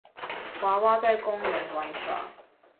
娃娃在公園玩耍